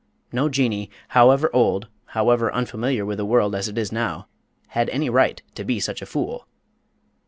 No Jinnee however old, however unfamiliar with the world as it is now had any right to be such a fool!